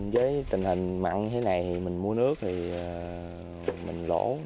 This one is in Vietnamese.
với tình hình mặn thế này mình mua nước thì mình lỗ